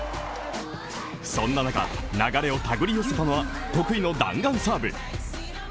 そんな中、流れを手繰り寄せたのは、得意の弾丸サーブ。